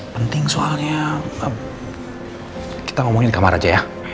penting soalnya kita ngomongin di kamar aja ya